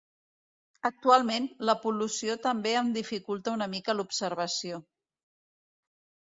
Actualment, la pol·lució també en dificulta una mica l'observació.